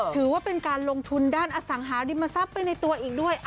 ถือว่าเป็นการลงทุนด้านอสังหาริมทรัพย์ไปในตัวอีกด้วย